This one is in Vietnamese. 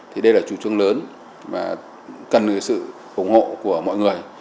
thì đây là chủ trương lớn và cần sự ủng hộ của mọi người